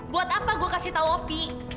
buat apa gue kasih tau opi